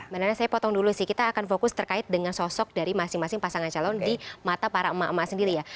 mbak nana saya potong dulu sih kita akan fokus terkait dengan sosok dari masing masing pasangan calon di mata para emak emak sendiri ya